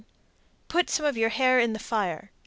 Put some of your hair in the fire.